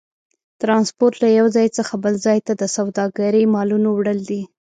ترانسپورت له یو ځای څخه بل ځای ته د سوداګرۍ مالونو وړل دي.